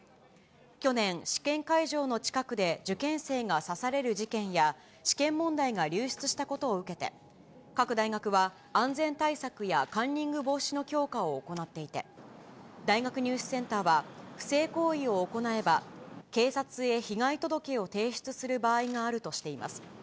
去年、試験会場の近くで受験生が刺される事件や、試験問題が流出したことを受けて、各大学は、安全対策やカンニング防止の強化を行っていて、大学入試センターは、不正行為を行えば、警察へ被害届を提出する場合があるとしています。